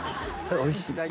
おいしい。